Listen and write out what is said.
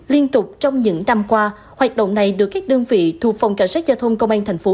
liên tục trong những năm qua hoạt động này được các đơn vị thuộc phòng cảnh sát giao thông công an thành phố